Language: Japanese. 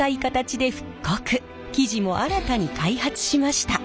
生地も新たに開発しました。